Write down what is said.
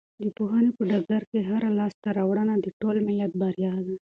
د پوهنې په ډګر کې هره لاسته راوړنه د ټول ملت بریا ده.